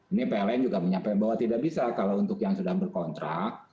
ini pln juga menyampaikan bahwa tidak bisa kalau untuk yang sudah berkontrak